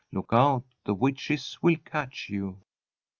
_ _Look out! The witches will catch you!